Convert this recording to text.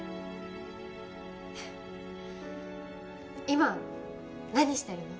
今何してるの？